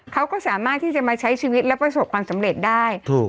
เขาก็สามารถที่จะมาใช้ชีวิตและประสบความสำเร็จได้ถูก